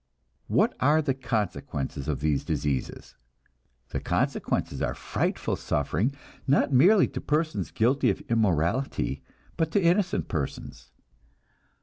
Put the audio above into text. What are the consequences of these diseases? The consequences are frightful suffering, not merely to persons guilty of immorality, but to innocent persons.